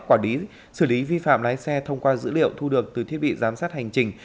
quản lý xử lý vi phạm lái xe thông qua dữ liệu thu được từ thiết bị giám sát hành trình